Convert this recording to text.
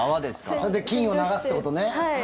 それで菌を流すってことね。